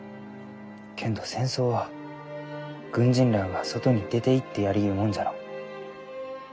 けんど戦争は軍人らあが外に出ていってやりゆうもんじゃろう？